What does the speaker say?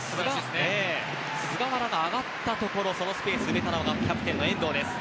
菅原が上がったところそのスペースを埋めたのはキャプテンの遠藤です。